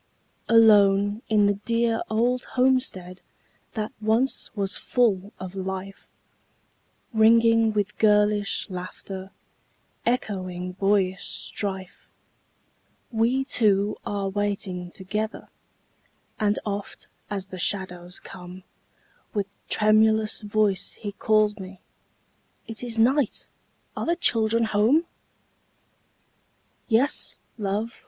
Alone in the dear old homestead That once was full of life, Ringing with girlish laughter, Echoing boyish strife, We two are waiting together; And oft, as the shadows come, With tremulous voice he calls me, "It is night! are the children home?" "Yes, love!"